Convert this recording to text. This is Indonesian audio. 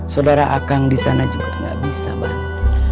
saudara akang di sana juga gak bisa bantu